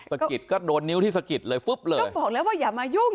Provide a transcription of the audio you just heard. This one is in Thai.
สะกิดก็โดนนิ้วที่สะกิดเลยฟึ๊บเลยก็บอกแล้วว่าอย่ามายุ่ง